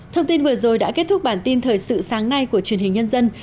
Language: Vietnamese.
thông tin vừa rồi đã kết thúc bản tin thời sự sáng nay của truyền hình nhân dân